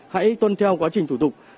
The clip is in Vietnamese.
hãy tuân theo quá trình thủ tục